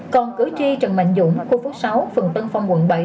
còn cử tri trần mạnh dũng khu phố sáu phần tân phong quận bảy